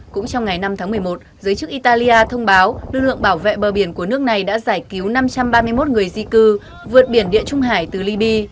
cũng trong ngày năm tháng một mươi một giới chức italia thông báo lưu lượng bảo vệ bờ biển của nước này đã giải cứu năm trăm ba mươi một người di cư vượt biển địa trung hải từ libya